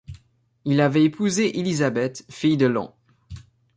Il avait épousé Elizabeth, fille de l'hon.